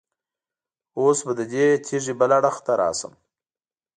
اوس به د دې تیږې بل اړخ ته راشم.